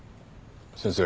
先生